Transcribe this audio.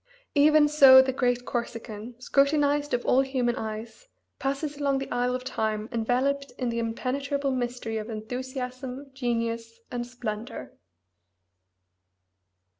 Even so the great Corsican, scrutinized of all human eyes, passes along the aisle of Time enveloped in the impenetrable mystery of enthusiasm, genius, and splendor.